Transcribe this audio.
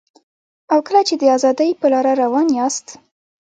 او کله چي د ازادۍ په لاره روان یاست